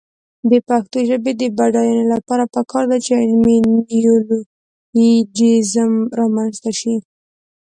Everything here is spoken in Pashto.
د پښتو ژبې د بډاینې لپاره پکار ده چې علمي نیولوجېزم رامنځته شي.